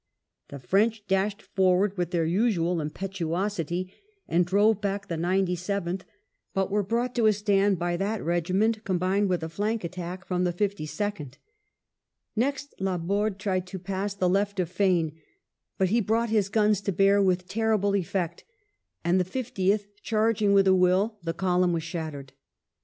The French dashed forward with their usual impetuosity and drove back the Ninety seventh, but were brought to a stand by that regiment combined with a flank attack from the Fifty second. Next Laborde tried to pass the THE BATTLE OF VIMIERO left of Fane, but he brought his guns to bear with terrible effect, and the Fiftieth charging with a will, the column was shattered.